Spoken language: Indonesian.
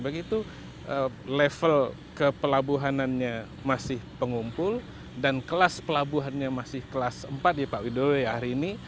begitu level kepelabuhanannya masih pengumpul dan kelas pelabuhannya masih kelas empat ya pak widodo ya hari ini